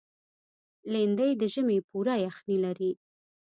لېندۍ د ژمي پوره یخني لري.